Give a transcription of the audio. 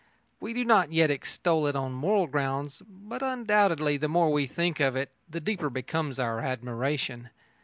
We do not yet extol it on moral grounds, but undoubtedly, the more we think of it, the deeper becomes our admiration.